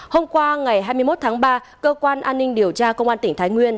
hôm qua ngày hai mươi một tháng ba cơ quan an ninh điều tra công an tỉnh thái nguyên